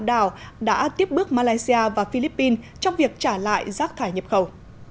đảo đã tiếp bước malaysia và philippines trong việc trả lại rác thải nhập khẩu